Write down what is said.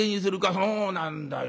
「そうなんだよ。